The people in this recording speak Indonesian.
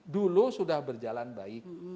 dulu sudah berjalan baik